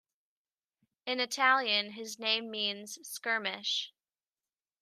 In Italian his name means "skirmish".